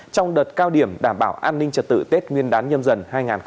trong đợt cao điểm đảm bảo an ninh trật tự tết nguyên đán nhâm dần hai nghìn hai mươi bốn